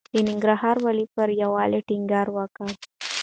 د ننګرهار والي پر يووالي ټينګار وکړ.